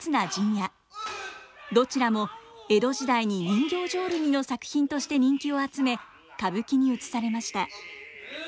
どちらも江戸時代に人形浄瑠璃の作品として人気を集め歌舞伎にうつされました。